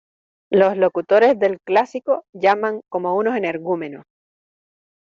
Los locutores del clásico llaman como unos energúmenos.